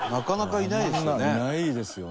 いないですよね。